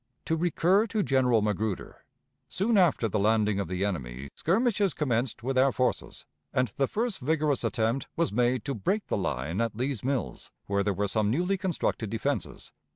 To recur to General Magruder: soon after the landing of the enemy, skirmishes commenced with our forces, and the first vigorous attempt was made to break the line at Lee's Mills, where there were some newly constructed defenses.